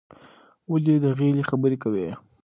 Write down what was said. ولې د غېلې خبرې کوې؟